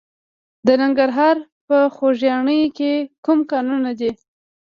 د ننګرهار په خوږیاڼیو کې کوم کانونه دي؟